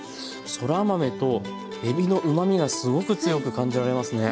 そら豆とえびのうまみがすごく強く感じられますね。